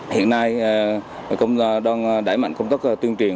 hiện nay công tác đẩy mạnh công tác tuyên truyền